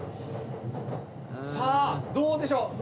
さあどうでしょう